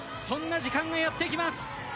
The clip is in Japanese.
そんな時間がやってきます。